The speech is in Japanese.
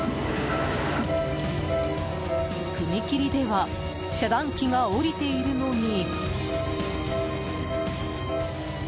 踏切では遮断機が下りているのに。